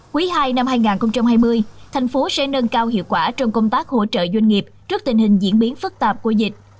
quý ii năm hai nghìn hai mươi thành phố sẽ nâng cao hiệu quả trong công tác hỗ trợ doanh nghiệp trước tình hình diễn biến phức tạp của dịch